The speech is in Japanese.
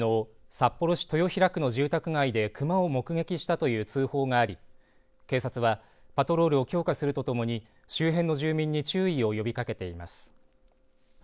札幌市豊平区の住宅街で熊を目撃したという通報があり警察はパトロールを強化するとともに周辺の住民に注意を呼びかけています。